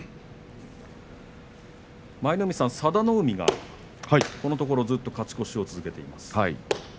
舞の海さん、佐田の海がこのところ、ずっと勝ち越しを続けています。